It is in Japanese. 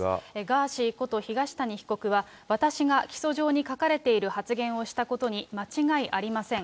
ガーシーこと東谷被告は、私が起訴状に書かれている発言をしたことに間違いありません。